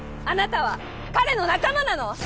あなたは彼の仲間なの？